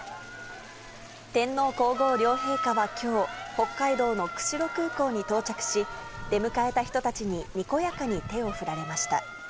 天皇皇后両陛下はきょう、北海道の釧路空港に到着し、出迎えた人たちににこやかに手を振られました。